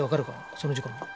その事故の。